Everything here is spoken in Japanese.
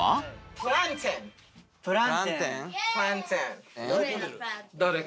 プランテン？